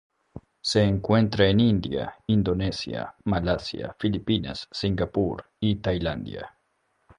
Se encuentra en India, Indonesia, Malasia, Filipinas, Singapur, y Tailandia.